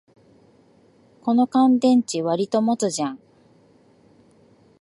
この乾電池、わりと持つじゃん